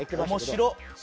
面白っ！